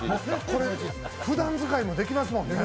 これ、ふだん使いもできますもんね。